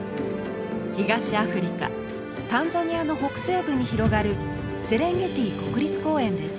東アフリカタンザニアの北西部に広がるセレンゲティ国立公園です。